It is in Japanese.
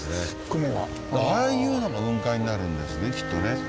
ああいうのが雲海になるんですねきっとね。